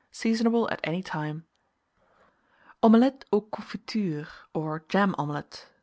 Seasonable at any time. OMELETTE AUX CONFITURES, or JAM OMELET.